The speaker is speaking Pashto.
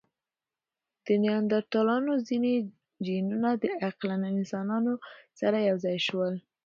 د نیاندرتالانو ځینې جینونه د عقلمن انسانانو سره یو ځای شول.